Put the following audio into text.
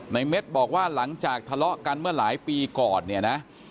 เม็ดบอกว่าหลังจากทะเลาะกันเมื่อหลายปีก่อนเนี่ยนะ